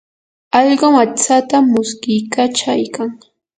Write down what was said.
allqum aytsata muskiykachaykan.